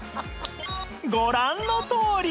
ご覧のとおり